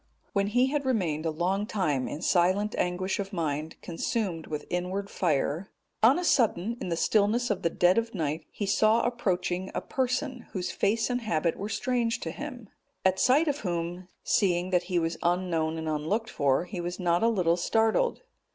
When he had remained a long time in silent anguish of mind, consumed with inward fire,(228) on a sudden in the stillness of the dead of night he saw approaching a person, whose face and habit were strange to him, at sight of whom, seeing that he was unknown and unlooked for, he was not a little startled.